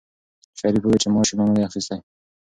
شریف وویل چې معاش یې لا نه دی اخیستی.